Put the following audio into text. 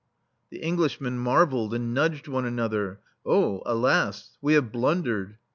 '* The Englishmen marvelled, and nudged one another: "Oh, alas! we have blundered!'